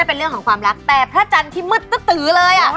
เป็นเรื่องของความรักแต่พระจันทร์ที่มืดตื้อเลย